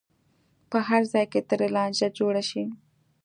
په هر ځای کې ترې لانجه جوړه شي.